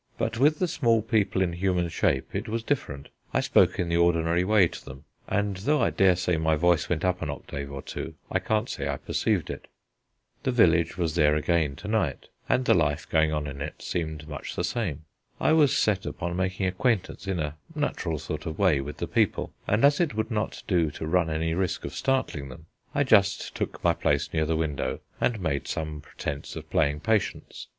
But with the small people in human shape it was different. I spoke in the ordinary way to them, and though I dare say my voice went up an octave or two, I can't say I perceived it. The village was there again to night, and the life going on in it seemed much the same. I was set upon making acquaintance in a natural sort of way with the people, and as it would not do to run any risk of startling them, I just took my place near the window and made some pretence of playing Patience.